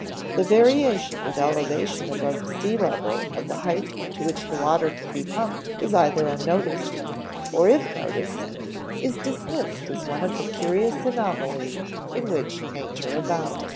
The variation with elevation above the sea level of the height to which water can be pumped is either unnoticed, or, if noted, is dismissed as one of the curious anomalies in which nature abounds.